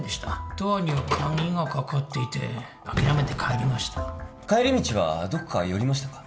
ドアには鍵がかかっていて諦めて帰りました帰り道はどこか寄りましたか？